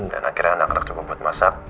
dan akhirnya anak anak terlupa buat masak